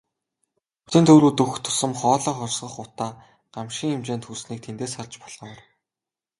Хотын төв рүү дөхөх тусам хоолой хорсгох утаа гамшгийн хэмжээнд хүрснийг тэндээс харж болохоор.